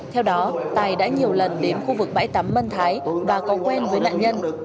theo đó tài đã nhiều lần đến khu vực bãi tắm mân thái và có quen với nạn nhân